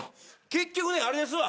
結局あれですわ。